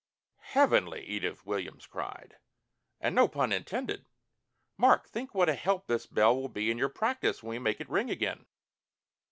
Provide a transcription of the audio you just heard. "Heavenly!" Edith Williams cried. "And no pun intended. Mark, think what a help this bell will be in your practise when we make it ring again!"